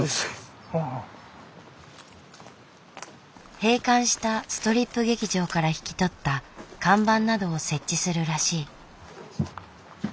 閉館したストリップ劇場から引き取った看板などを設置するらしい。